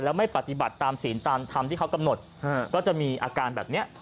แล้วไม่ปฏิบัติตามศีลตามธรรมที่เขากำหนดก็จะมีอาการแบบนี้